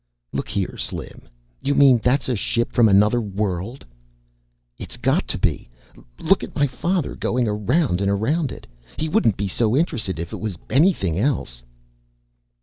"Look here, Slim, you mean that's a ship from another world." "It's got to be. Look at my father going round and round it. He wouldn't be so interested if it was anything else."